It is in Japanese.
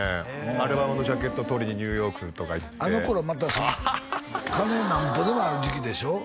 アルバムのジャケット撮りにニューヨークとか行ってあの頃また金なんぼでもある時期でしょ？